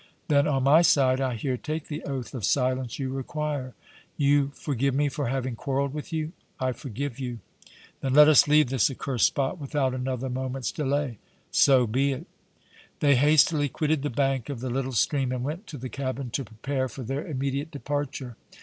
"Then, on my side, I here take the oath of silence you require!" "You forgive me for having quarreled with you?" "I forgive you!" "Then let us leave this accursed spot without another moment's delay!" "So be it!" They hastily quitted the bank of the little stream and went to the cabin to prepare for their immediate departure.